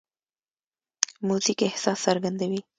موزیک احساس څرګندوي.